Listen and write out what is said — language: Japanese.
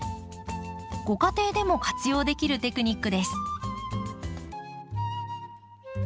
ご家庭でも活用できるテクニックです。